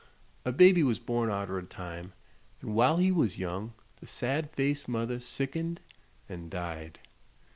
A baby was born arter a time, an' while he was young the sad faced mother sickened an' died.